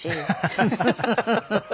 ハハハハ。